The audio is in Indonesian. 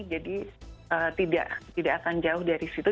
jadi tidak akan jauh dari situ